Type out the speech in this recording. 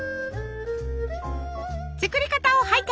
作り方を拝見！